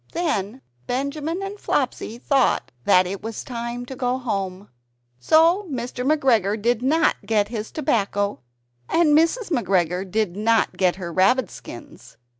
Then Benjamin and Flopsy thought that it was time to go home. So Mr. McGregor did not get his tobacco, and Mrs. McGregor did not get her rabbit skins.